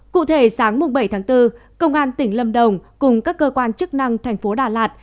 cụ thể sáng bảy tháng bốn công an tỉnh lâm đồng cùng các cơ quan chức năng thành phố đà lạt